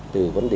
từ vấn đề